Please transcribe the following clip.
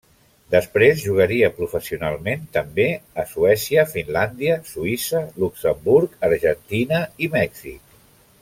Després jugaria professionalment també a Suècia, Finlàndia, Suïssa, Luxemburg, Argentina i Mèxic.